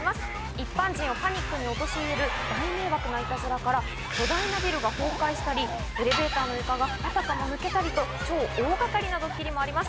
一般人をパニックに陥れる大迷惑なイタズラから巨大なビルが崩壊したりエレベーターの床があたかも抜けたりと超大掛かりなドッキリもあります。